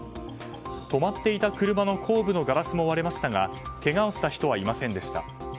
止まっていた車の後部のガラスも割れましたがけがをした人はいませんでした。